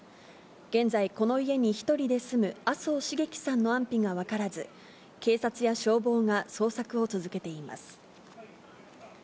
現在、この家に１人で住む麻生繁喜さんの安否が分からず、警察や消防が捜索を続けています。